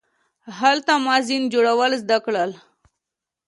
هلته ما زین جوړول زده کړل.